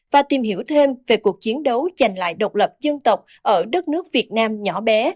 và tìm hiểu thêm về cuộc chiến đấu giành lại độc lập dân tộc ở đất nước việt nam nhỏ bé